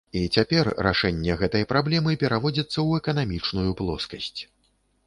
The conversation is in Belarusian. І цяпер рашэнне гэтай праблемы пераводзіцца ў эканамічную плоскасць.